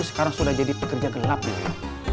sekarang sudah jadi pekerja gelap bu yoyo